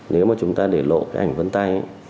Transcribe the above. nếu mà chúng ta để lộ cái ảnh vân tay